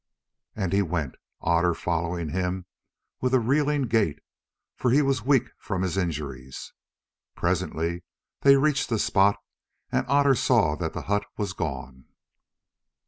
And he went, Otter following him with a reeling gait, for he was weak from his injuries. Presently they reached the spot, and Otter saw that the hut was gone.